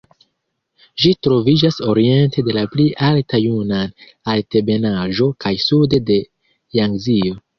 Ĝi troviĝas oriente de la pli alta Junan-Altebenaĵo kaj sude de Jangzio.